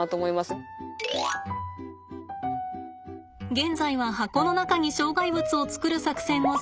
現在は箱の中に障害物を作る作戦を遂行中です。